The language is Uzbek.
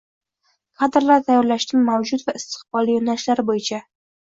kadrlar tayyorlashning mavjud va istiqbolli yo`nalishlari bo`yicha